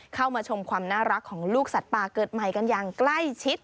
เข้ามาชมความน่ารักของลูกสัตว์ป่าเกิดใหม่กันอย่างใกล้ชิด